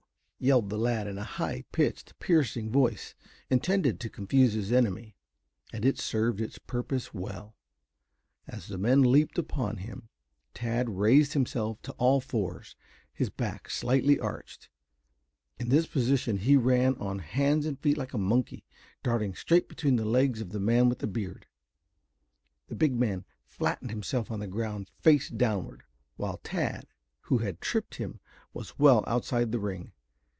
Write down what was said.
yelled the lad in a high pitched, piercing voice, intended to confuse his enemy. And it served its purpose well. As the men leaped upon him, Tad raised himself to all fours, his back slightly arched. In this position he ran on hands and feet like a monkey, darting straight between the legs of the man with the beard. The big man flattened himself on the ground face downward, while Tad, who had tripped him, was well outside the ring.